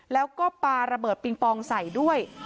แล้วก็ปลาระเบิดปิงปองใส่ด้วย